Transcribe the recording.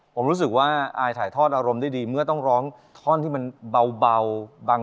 ผมรู้สึกว่าอายถ่ายทอดอารมณ์ได้ดีเมื่อต้องร้องท่อนที่มันเบาบาง